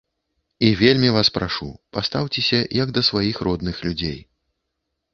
І вельмі вас прашу, пастаўцеся як да сваіх родных людзей.